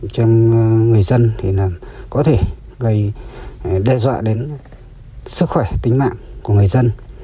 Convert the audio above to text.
trong người dân có thể gây đe dọa đến sức khỏe tính mạng của người dân